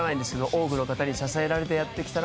多くの方に支えられてやってこれました。